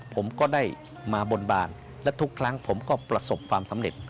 ผมก็ได้มาบนบานและทุกครั้งผมก็ประสบความสำเร็จ